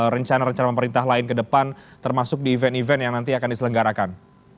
rencana rencana pemerintah lain ke depan termasuk di event event yang nanti akan diselenggarakan